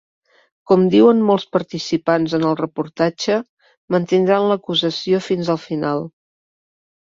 Com diuen molts participants en el reportatge, mantindran l’acusació fins al final.